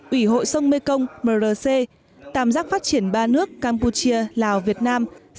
ủy hội sông mekong tàm giác phát triển ba nước campuchia lào việt nam